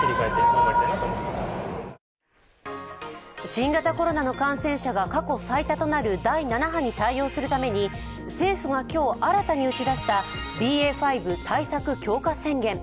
新型コロナの感染者が過去最多となる第７波に対応するため政府が今日新たに打ち出したＢＡ．５対策強化宣言。